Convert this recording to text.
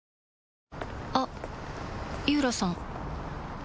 あっ井浦さん